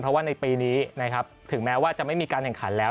เพราะว่าในปีนี้นะครับถึงแม้ว่าจะไม่มีการแข่งขันแล้ว